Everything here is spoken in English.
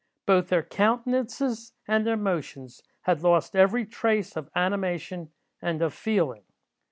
Both their countenances and their motions had lost every trace of animation and of feeling.